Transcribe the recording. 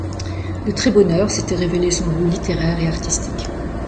De très bonne heure s’était révélé son goût littéraire et artistique.